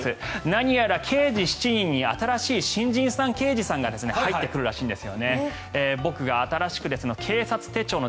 何やら「刑事７人」に新しい新人刑事さんが入ってくるらしいんです。